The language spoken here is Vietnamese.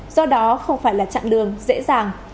do đó không phải là chặng đường dễ dàng